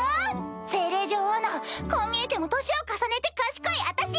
精霊女王のこう見えても年を重ねて賢い私！